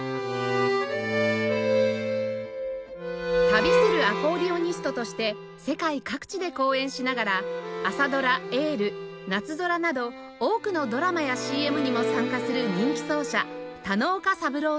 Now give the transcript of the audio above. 「旅するアコーディオニスト」として世界各地で公演しながら朝ドラ『エール』『なつぞら』など多くのドラマや ＣＭ にも参加する人気奏者田ノ岡三郎さん